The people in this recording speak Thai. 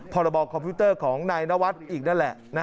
พรบคอมพิวเตอร์ของนายนวัดอีกนั่นแหละ